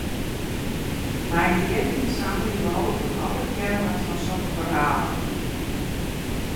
Mei de jierren sammelje we hooplik allegearre wat fan sokke ferhalen.